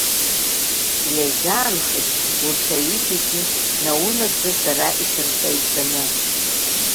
Егьаанхеит урҭ аҩыџьагьы наунагӡа сара исырҵаҩцәаны.